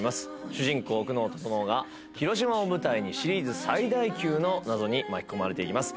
主人公久能整が広島を舞台にシリーズ最大級の謎に巻き込まれていきます。